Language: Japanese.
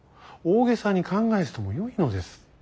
大げさに考えずともよいのです。